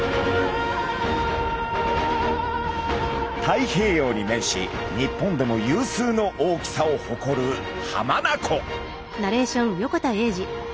太平洋に面し日本でも有数の大きさをほこる浜名湖。